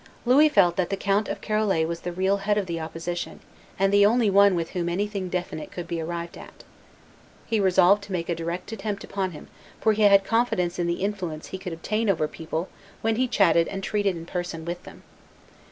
Louis felt that the Count of Charolais was the real head of the opposition, and the only one with whom anything definite could he arrived at. He resolved to make a direct attempt upon him; for he had confidence in the influence he could obtain over people when he chatted and treated in person with them.